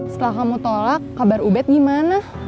setelah kamu tolak kabar ubed gimana